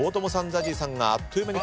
ＺＡＺＹさんがあっという間に書いた。